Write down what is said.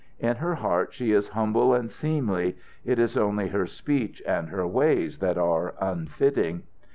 "In her heart she is humble and seemly. It is only her speech and her ways that are unfitting."